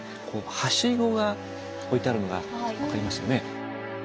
はしごが置いてあるのが分かりますよね。